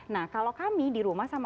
nah kalau kami di rumah sama